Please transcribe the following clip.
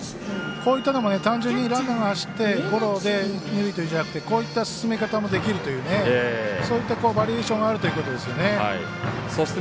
こういったのも単純にランナーが走ってゴロでというのじゃなくてこういった進め方もできるというそういうバリエーションもあるということですよね。